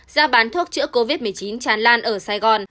giá bán thuốc chữa covid một mươi chín tràn lan ở sài gòn